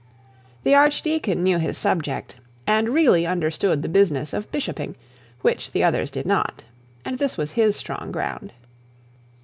The archdeacon knew his subject, and really understood the business of bishoping, which the others did not; and this was his strong ground.